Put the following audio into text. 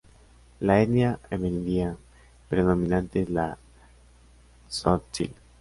La etnia amerindia predominante es la "tzotzil".